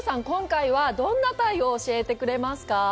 今回はどんなタイを教えてくれますか？